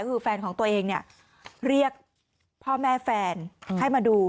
คือแฟนของตัวเองเนี่ยเรียกพ่อแม่แฟนให้มาดู